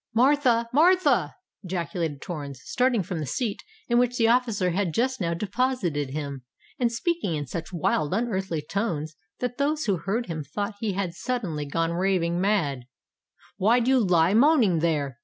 "Martha—Martha!" ejaculated Torrens, starting from the seat in which the officer had just now deposited him, and speaking in such wild, unearthly tones that those who heard him thought he had suddenly gone raving mad: "why do you lie moaning there?